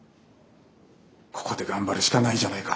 ここで頑張るしかないじゃないか。